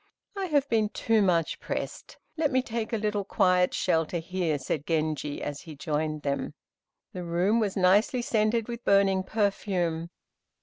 "I have been too much pressed. Let me take a little quiet shelter here," said Genji, as he joined them. The room was nicely scented with burning perfume.